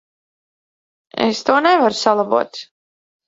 Es to nevaru salabot.